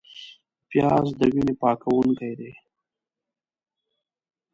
پیاز د وینې پاکوونکی دی